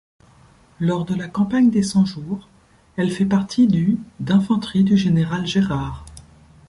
Lors de la campagne des Cent-Jours, elle fait partie du d'infanterie, du général Gérard.